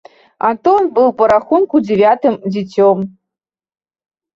Антон быў па рахунку дзявятым дзіцем.